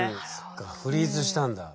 フリーズしたんだ。